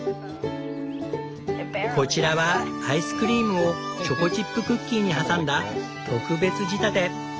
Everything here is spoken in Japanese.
こちらはアイスクリームをチョコチップクッキーに挟んだ特別仕立て。